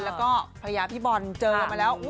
แล้วก็พลัยพี่บอลเจอกันมาแล้ว